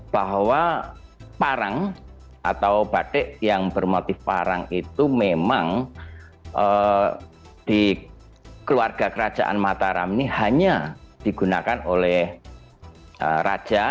bahwa parang atau batik yang bermotif parang itu memang di keluarga kerajaan mataram ini hanya digunakan oleh raja